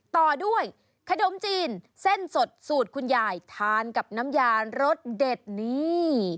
ต่อด้วยขนมจีนเส้นสดสูตรคุณยายทานกับน้ำยารสเด็ดนี่